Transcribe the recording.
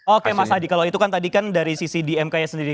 oke mas hadi kalau itu kan tadi dari sisi dmk sendiri